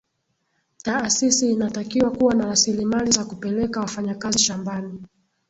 taasisi inatakiwa kuwa na rasilimali za kupeleka wafanyakazi shambani